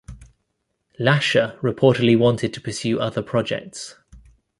Lascher reportedly wanted to pursue other projects.